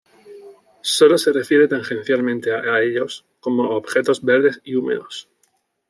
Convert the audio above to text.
Solo se refiere tangencialmente a ellos como "objetos verdes y húmedos".